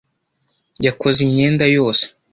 Yakoze imyenda yose.